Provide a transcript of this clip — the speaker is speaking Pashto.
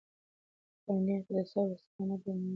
ګاونډیانو ته د صبر او استقامت یو نوی حقیقت ښکاره شو.